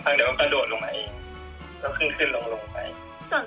แล้วตอนสักครั้งเดี๋ยวก็กระโดดลงไหนเอง